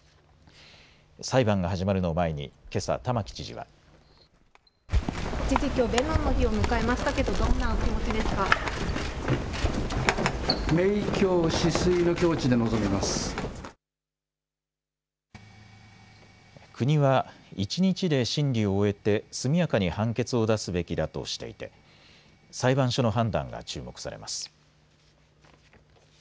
裁判が始まるのを前にけさ、玉城知事は。国は一日で審理を終えて速やかに判決を出すべきだとしていて裁判所の判断が注目されます。